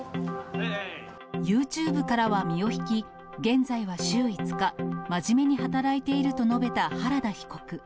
ユーチューブからは身を引き、現在は週５日、真面目に働いていると述べた原田被告。